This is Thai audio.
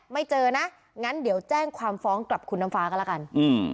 เจอนะงั้นเดี๋ยวแจ้งความฟ้องกลับคุณน้ำฟ้าก็แล้วกันอืม